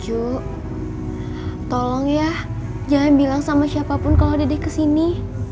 cuk tolong ya jangan bilang sama siapa pun kalau dede kesini